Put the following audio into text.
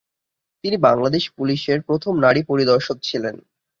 তিনি বাংলাদেশ পুলিশের প্রথম নারী পরিদর্শক ছিলেন।